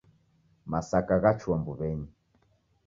Masaka ghachua mbuw'enyi.